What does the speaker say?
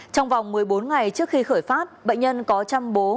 trong vòng một mươi bốn ngày trước khi khởi phát bệnh nhân có chăm bố